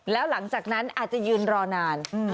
แล้วหลังจากนั้นอาจจะยืนรอนาน